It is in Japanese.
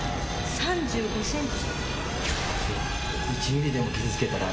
３５ｃｍ。